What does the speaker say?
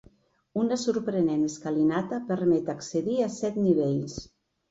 Una sorprenent escalinata permet accedir a set nivells.